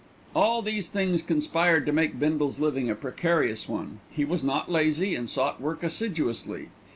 All these things conspired to make Bindle's living a precarious one. He was not lazy, and sought work assiduously.